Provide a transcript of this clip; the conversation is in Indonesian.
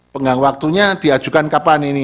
penggang waktunya diajukan kapan ini